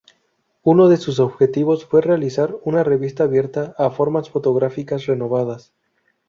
Uno de sus objetivos fue realizar una revista abierta a formas fotográficas renovadas.